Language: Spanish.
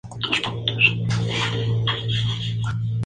El torneo se jugó en Necochea y en Mar del Plata.